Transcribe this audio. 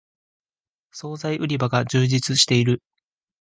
そうざい売り場が充実している